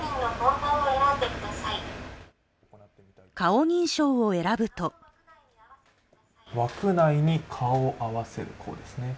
顔認証を選ぶと枠内に顔を合わせる、こうですね。